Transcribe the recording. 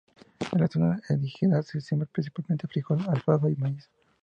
En la zona ejidal se siembra principalmente frijol, alfalfa, y maíz.